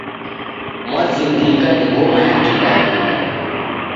Mwazindika ni ngoma ya kidawida